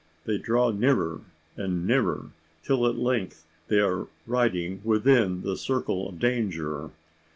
They draw nearer and nearer, till at length they are riding within the circle of danger.